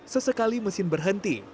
sesekali mesin berhenti